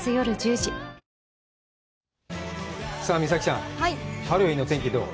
さあ美咲ちゃん、ハロウィーンの天気、どう？